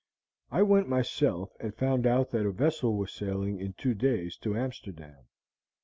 "I went myself and found out that a vessel was sailing in two days to Amsterdam.